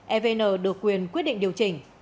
evn được quyền quyết định điều chỉnh